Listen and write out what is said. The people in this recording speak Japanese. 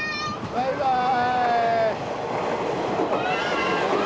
バイバーイ！